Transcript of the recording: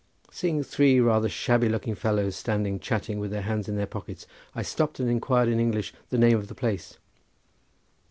Seeing three rather shabby looking fellows standing chatting with their hands in their pockets, I stopped and inquired in English the name of the place.